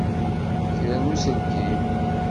Kra n uselkim!